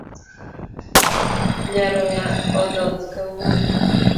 Nyaroya odhoth kawuono.